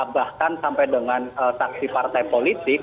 bahkan sampai dengan saksi partai politik